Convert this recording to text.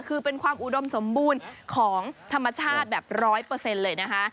คือเป็นความอุดมสมบูรณ์ของธรรมชาติแบบร้อยเปอร์เซ็นต์เลยนะฮะ